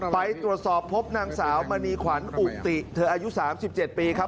ไปตรวจสอบพบนางสาวมณีขวัญอุติเธออายุ๓๗ปีครับ